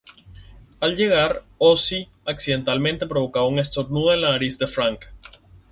Al llegar, Ozzy accidentalmente provoca un estornudo en la nariz de Frank.